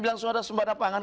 bilang semua ada sumber apangan